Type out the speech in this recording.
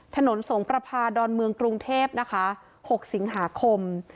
ถนนสงประพาดอนเมืองกรุงเทพนะคะ๖สิงหาคม